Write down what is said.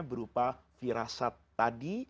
berupa firasat tadi